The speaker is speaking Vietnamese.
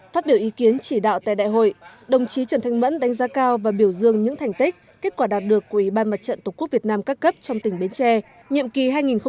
phát biểu ý kiến chỉ đạo tại đại hội đồng chí trần thanh mẫn đánh giá cao và biểu dương những thành tích kết quả đạt được của ủy ban mặt trận tổ quốc việt nam các cấp trong tỉnh bến tre nhiệm kỳ hai nghìn một mươi chín hai nghìn hai mươi bốn